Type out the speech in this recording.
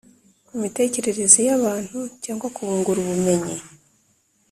ku mitekerereze y’abantu cyangwa kubungura ubumenyi.